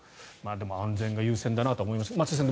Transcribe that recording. でも、安全が優先だなとは思いますが松井さん